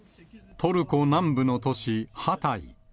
トルコ南部の都市ハタイ。